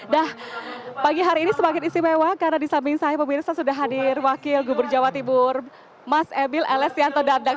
dah pagi hari ini semakin istimewa karena di samping saya pemirsa sudah hadir wakil gubernur jawa timur mas emil elestianto dardak